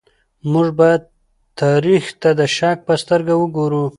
موږ بايد تاريخ ته د شک په سترګه وګورو.